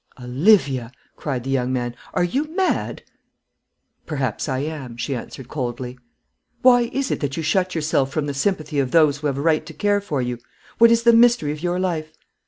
"Olivia," cried the young man, "are you mad?" "Perhaps I am," she answered, coldly. "Why is it that you shut yourself from the sympathy of those who have a right to care for you? What is the mystery of your life?"